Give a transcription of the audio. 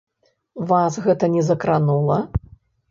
Вас гэта не закранула?